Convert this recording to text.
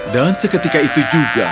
dan seketika itu juga